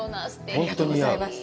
ありがとうございます。